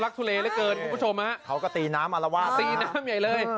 ทุเลเหลือเกินคุณผู้ชมฮะเขาก็ตีน้ำอารวาสตีน้ำใหญ่เลย